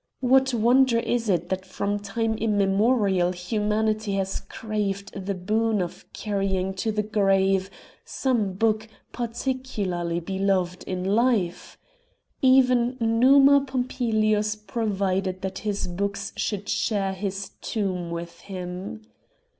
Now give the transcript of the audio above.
What wonder is it that from time immemorial humanity has craved the boon of carrying to the grave some book particularly beloved in life? Even Numa Pompilius provided that his books should share his tomb with him.